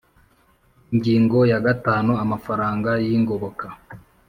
Ingingo ya gatanu Amafaranga y ingoboka